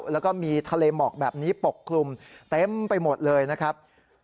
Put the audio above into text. แล้วก็มีทะเลหมอกแบบนี้ปกคลุมเต็มไปหมดเลยนะครับ